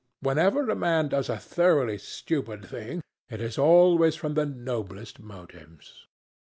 Whenever a man does a thoroughly stupid thing, it is always from the noblest motives."